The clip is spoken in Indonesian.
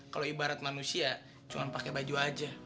kalau ibarat manusia cuma pakai baju aja